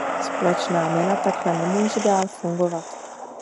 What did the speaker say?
Společná měna takhle nemůže dál fungovat.